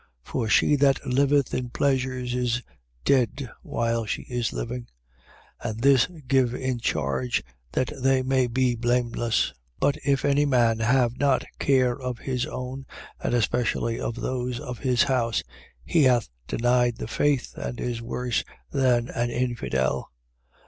5:6. For she that liveth in pleasures is dead while she is living. 5:7. And this give in charge, that they may be blameless. 5:8. But if any man have not care of his own and especially of those of his house, he hath denied the faith and is worse than an infidel.